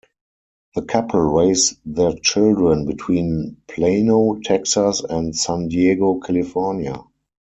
The couple raise their children between Plano, Texas and San Diego, California.